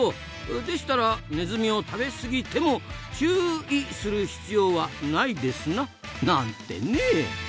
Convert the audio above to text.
でしたらネズミを食べ過ぎても「チューい」する必要はないですな！なんてね。